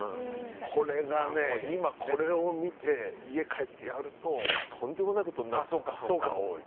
これがね、今、これを見て家帰ってやるととんでもないことになる人が多い。